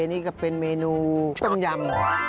นี่ก็เป็นเมนูต้มยำ